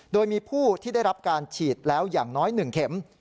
โดยมีผู้ที่ได้รับการฉีดแล้วอย่างน้อย๑เข็ม